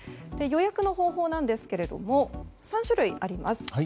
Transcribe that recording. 予約の方法なんですが３種類あります。